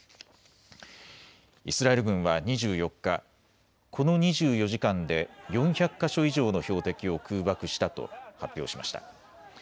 イスラエル軍は２４日、この２４時間で４００か所以上の標的を空爆したと発表しました。